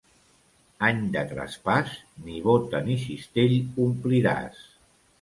Any de traspàs, ni bota ni cistell ompliràs.